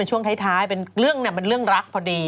ช่วงท้ายเป็นเรื่องรักพอดี